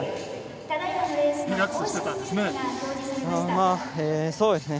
リラックスした感じですね。